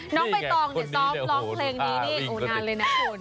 น้องใบตองเนี่ยซ้อมร้องเพลงนี้นี่โอ้นานเลยนะคุณ